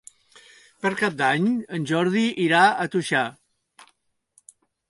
Per Cap d'Any en Jordi irà a Toixa.